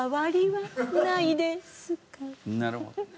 なるほど。